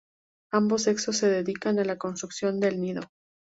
Ambos sexos se dedican a la construcción del nido.